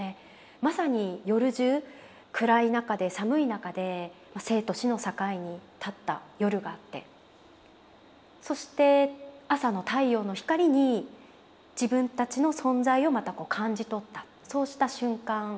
まさに夜じゅう暗い中で寒い中で生と死の境に立った夜があってそして朝の太陽の光に自分たちの存在をまた感じ取ったそうした瞬間でしたね。